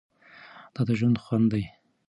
دا د ژوند خوند دی.